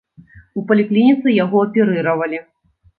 У паліклініцы яго аперыравалі.